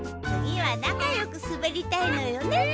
次はなかよくすべりたいのよね